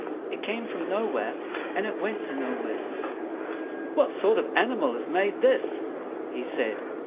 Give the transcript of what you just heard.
It came from nowhere, and it went to nowhere. "What sort of animal has made this?" he said.